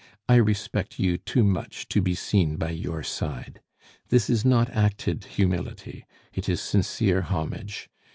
I respect you too much to be seen by your side. This is not acted humility; it is sincere homage.